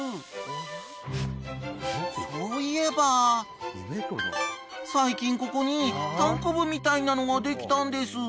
［そういえば最近ここにたんこぶみたいなのができたんです］